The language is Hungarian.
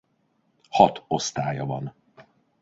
Hat osztálya van.